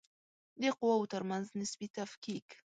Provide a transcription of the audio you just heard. د قواوو ترمنځ نسبي تفکیک